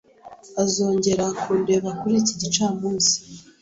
Azongera kundeba kuri iki gicamunsi